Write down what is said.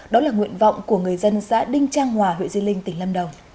đó là nguyện vọng của người dân xã đinh trang hòa huyện di linh tỉnh lâm đồng